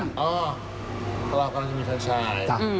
เพราะเรากำลังจะมีแฟนชาย